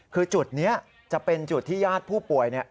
คือจุดนี้จะเป็นจุดที่ญาติผู้ป่วย